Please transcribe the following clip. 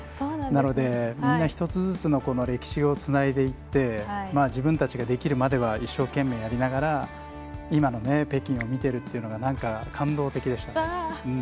なので、みんな１つずつの歴史をつないでいって自分たちができるまでは一生懸命やりながら今の北京を見てるっていうのがなんか、感動的でしたね。